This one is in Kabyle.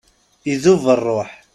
Idub rruḥ!